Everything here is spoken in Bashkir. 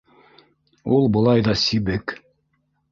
Ул былай ҙа сибек.